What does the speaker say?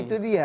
nah itu dia